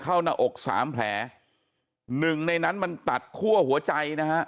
หน้าอกสามแผลหนึ่งในนั้นมันตัดคั่วหัวใจนะฮะ